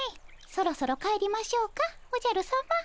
そろそろ帰りましょうかおじゃるさま。